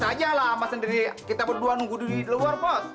ya saya lama sendiri kita berdua nunggu di luar bos